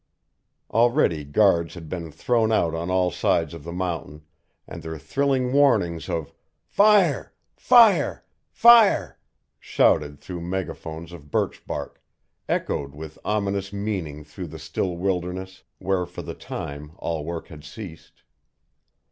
Already guards had been thrown out on all sides of the mountain and their thrilling warnings of "Fire Fire Fire," shouted through megaphones of birch bark, echoed with ominous meaning through the still wilderness, where for the time all work had ceased.